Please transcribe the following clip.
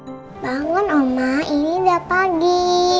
uma bangun uma ini udah pagi